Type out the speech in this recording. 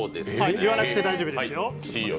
言わなくて大丈夫ですよ。